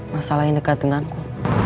masalah yang dekat denganku